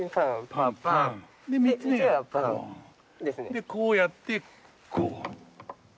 でこうやってこう。